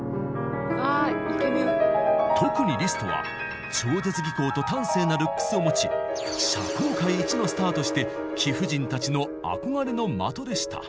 特にリストは超絶技巧と端正なルックスを持ち社交界一のスターとして貴婦人たちの憧れの的でした。